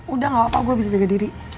udah gak apa apa gue bisa jaga diri